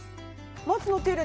松の手入れ